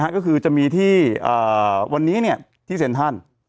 ก็คือจะมีที่วันนี้ที่เซ็นทรัล